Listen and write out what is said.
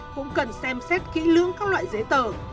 cũng cần xem xét kỹ lưỡng các loại giấy tờ